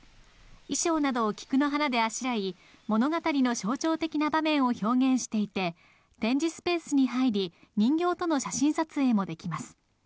衣装などを菊の花であしらい、物語の象徴的な場面を表現していて、展示スペースに入り、人形との写真撮影もできます。